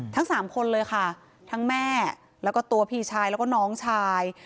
ทั้งสามคนเลยค่ะทั้งแม่แล้วก็ตัวพี่ชายแล้วก็น้องชาย